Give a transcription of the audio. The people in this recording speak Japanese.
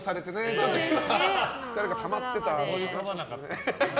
ちょっと今、疲れがたまってたのかな。